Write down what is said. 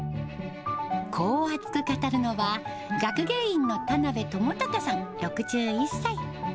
こう熱く語るのは、学芸員の田辺智隆さん６１歳。